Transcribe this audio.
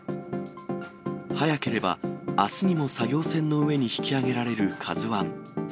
早ければあすにも作業船の上に引き揚げられるＫＡＺＵＩ。